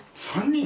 ３人？